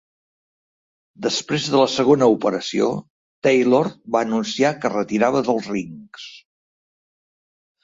Després de la segona operació, Taylor va anunciar que es retirava dels rings.